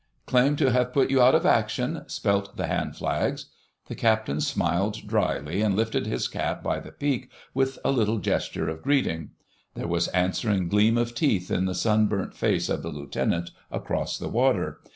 "Claim to have put you out of action," spelt the handflags. The Captain smiled dryly and lifted his cap by the peak with a little gesture of greeting; there was answering gleam of teeth in the sunburnt face of the Lieutenant across the water.